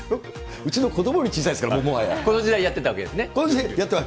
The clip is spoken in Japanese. うちの子どもより小さいですから、この時代、やってたわけですこの時代。